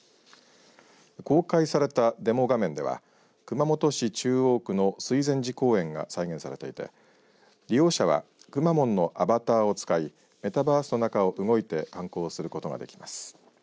公開されたデモ画面では熊本市中央区の水前寺公園が再現されていて利用者はくまモンのアバターを使いメタバースの中を動いて観光することができます。